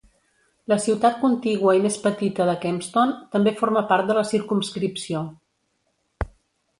La ciutat contigua i més petita de Kempston també forma part de la circumscripció.